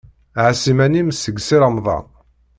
Ɛass iman-im seg Si Remḍan.